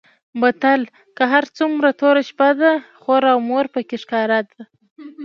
متل؛ که هر څو توره شپه ده؛ خور او مور په کې ښکاره ده.